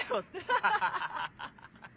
ハハハハ。